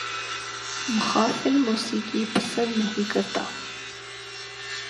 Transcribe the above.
محافل موسیقی پسند نہیں کرتا